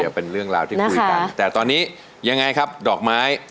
ก็เป็นเรื่องราวที่คุยกันแต่ตอนนี้ยังไงครับดอกไม้